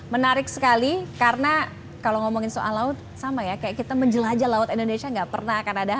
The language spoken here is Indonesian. menarik sekali karena kalau ngomongin soal laut sama ya kayak kita menjelajah laut indonesia nggak pernah akan ada